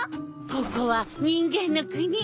ここは人間の国。